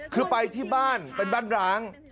คือไปที่บ้านเป็นบ้านร้าง